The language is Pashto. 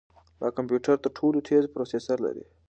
دا کمپیوټر تر ټولو تېز پروسیسر لري.